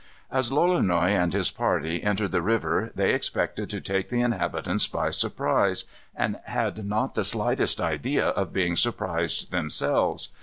As Lolonois and his party entered the river they expected to take the inhabitants by surprise, and had not the slightest idea of being surprised themselves.